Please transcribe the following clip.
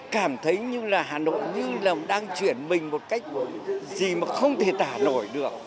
cảm thấy như là hà nội như là đang chuyển mình một cách gì mà không thể tả nổi được